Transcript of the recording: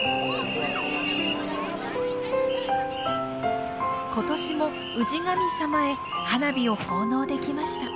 今年も氏神様へ花火を奉納できました。